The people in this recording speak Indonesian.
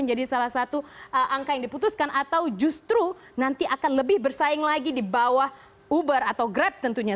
menjadi salah satu angka yang diputuskan atau justru nanti akan lebih bersaing lagi di bawah uber atau grab tentunya